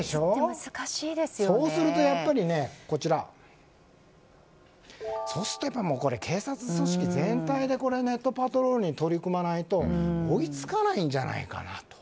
そうするとやっぱり警察組織全体でネットパトロール取り組まないと追いつかないんじゃないかと。